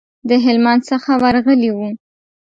د هلمند څخه ورغلي وو.